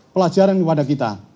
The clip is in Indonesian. pelajaran kepada kita